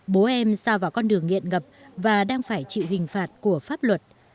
bố em xa vào con đường nghiện ngập và đang phải chịu hình phạt của pháp luật